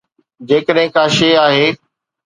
جيڪڏهن ڪا شيءِ آهي.